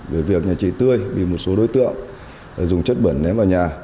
về việc nhà chị tươi bị một số đối tượng dùng chất bẩn ném vào nhà